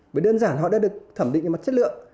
bởi đơn giản họ đã được thẩm định về mặt chất lượng